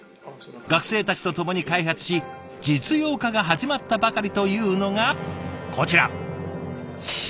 学生たちとともに開発し実用化が始まったばかりというのがこちら。